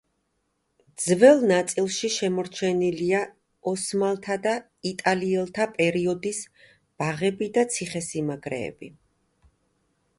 ძველ ნაწილში შემორჩენილია ოსმალთა და იტალიელთა პერიოდის ბაღები და ციხესიმაგრეები.